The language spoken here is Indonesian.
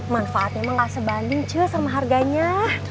manfaatnya emang gak sebanding cil sama harganya